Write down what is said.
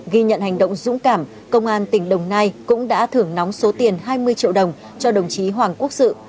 ghi nhận hành động dũng cảm công an tỉnh đồng nai cũng đã thưởng nóng số tiền hai mươi triệu đồng cho đồng chí hoàng quốc sự